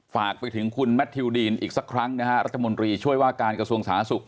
ฝากไปถึงคุณแมททิวดีนอีกสักครั้งนะฮะรัฐมนตรีช่วยว่าการกระทรวงสาธารณสุข